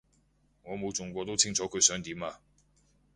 我冇中過都清楚過佢想點啊